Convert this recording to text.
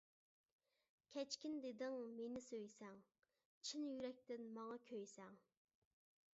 كەچكىن دېدىڭ مېنى سۆيسەڭ، چىن يۈرەكتىن ماڭا كۆيسەڭ.